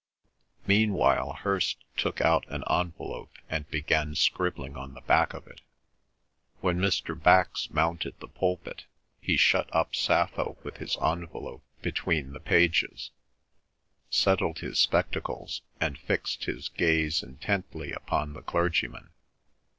Meanwhile Hirst took out an envelope and began scribbling on the back of it. When Mr. Bax mounted the pulpit he shut up Sappho with his envelope between the pages, settled his spectacles, and fixed his gaze intently upon the clergyman.